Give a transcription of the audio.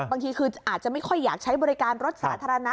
บางทีคืออาจจะไม่ค่อยอยากใช้บริการรถสาธารณะ